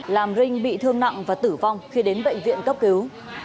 làm rinh bị thương nặng và tử vong khi đến bệnh viện cấp cứu